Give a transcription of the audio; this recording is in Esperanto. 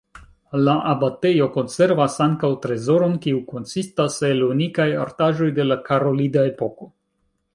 La abatejo konservas ankaŭ trezoron kiu konsistas el unikaj artaĵoj de la karolida epoko.